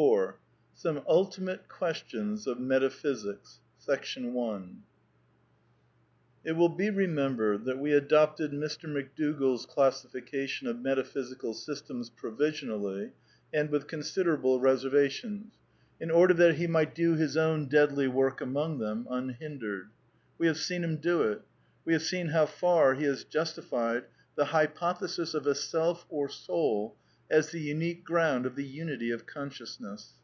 IV SOME ULTIMATE QUESTIONS OF METAPHYSICS It will be remembered that we adopted Mr. McDougalFs classification of metaphysical systems provisionally, and with considerable reservations, in order that he might do his own deadly work among them unhindered. We have seen him do it. We have seen how far he has justified the hypothesis of a self or soul as the unique ground of the unity of consciousness.